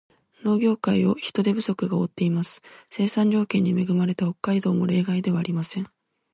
農業界を人手不足が覆っています。生産条件に恵まれた北海道も例外ではありません。